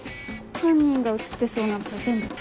犯人が写ってそうな場所全部。